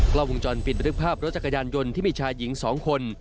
กล้องวงจรปิดบันทึกภาพรถจักรยานยนต์ที่มีชายหญิง๒คน